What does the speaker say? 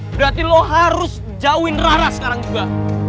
berarti lo harus jauhin rara sekarang juga